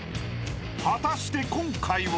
［果たして今回は？］